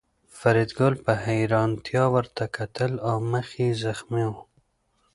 فریدګل په حیرانتیا ورته کتل او مخ یې زخمي و